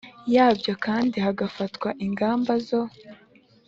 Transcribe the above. yabyo kandi hagafatwa ingamba zo